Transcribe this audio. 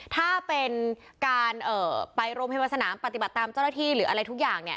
ถ้าเป็นการไปโรงพยาบาลสนามปฏิบัติตามเจ้าหน้าที่หรืออะไรทุกอย่างเนี่ย